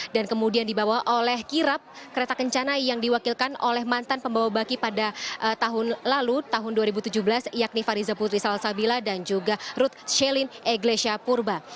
dan kemudian dibawa oleh kirap kereta kencana yang diwakilkan oleh mantan pembawa baki pada tahun lalu tahun dua ribu tujuh belas yakni fariza putri salsabila dan juga ruth shailin eglisya purba